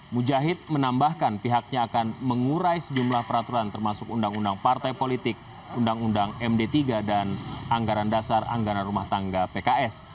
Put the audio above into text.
mujahid menambahkan pihaknya akan mengurai sejumlah peraturan termasuk undang undang partai politik undang undang md tiga dan anggaran dasar anggaran rumah tangga pks